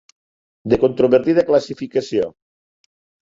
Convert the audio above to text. De controvertida classificació.